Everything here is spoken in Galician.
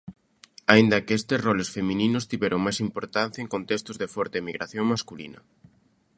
Aínda que estes roles femininos tiveron máis importancia en contextos de forte emigración masculina.